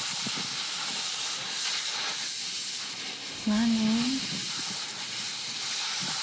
何？